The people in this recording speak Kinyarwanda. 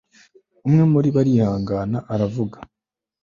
umwe muribo arihangana aravuga